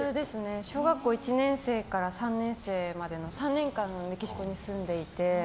小学１年生から３年生までの３年間メキシコに住んでいて。